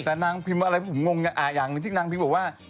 แต่นางพิมพ์ผมงงนะอย่างนึงที่นางพิมพ์บอกว่า